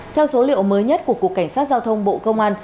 theo số liệu mới nhất của cục cảnh sát giao thông bộ công an